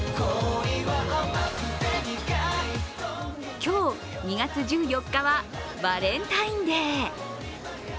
今日、２月１４日はバレンタインデー。